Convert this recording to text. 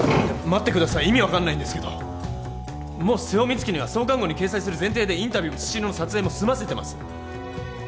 待ってください意味分かんないんですけどもう瀬尾光希には創刊号に掲載する前提でインタビューもスチールの撮影も済ませてます